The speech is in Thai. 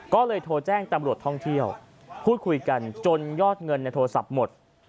ก็เลยโทรแจ้งตำรวจท่องเที่ยวพูดคุยกันจนยอดเงินในโทรศัพท์หมด